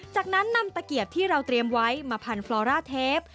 จากนั้นนำตะเกียบที่เราเตรียมไว้มาพันฟลอร่าเทป